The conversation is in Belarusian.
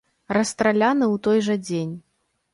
Расстраляны ў той жа дзень.